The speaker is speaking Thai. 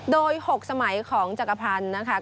โดย๖สมัยของจักรพันธ์นะคะ